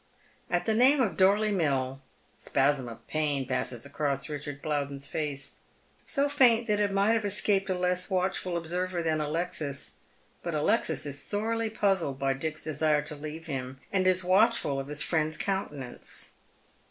At the name of Dorley ^Mill a spasm of pain passes across Eichard Plowden's face — so faint that it might have escaped a less watchful observer than Alexis. But Alexis is sorely puzzled by Dick's desire to leave him, and is watchful of his fiiend'a countenance.